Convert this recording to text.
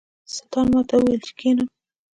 سلطان ماته وویل چې کښېنم.